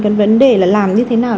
cái vấn đề là làm như thế nào